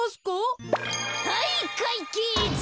はいかいけつ！